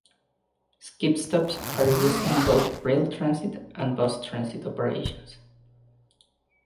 Skip-stops are used in both rail transit and bus transit operations.